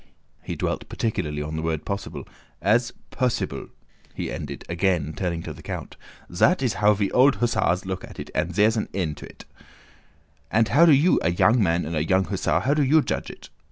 he dwelt particularly on the word possible... "as po o ossible," he ended, again turning to the count. "Zat is how ve old hussars look at it, and zere's an end of it! And how do you, a young man and a young hussar, how do you judge of it?"